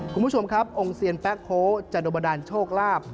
คุณผู้ชมครับองค์เซียนแป๊โค้จะโดนบันดาลโชคลาภ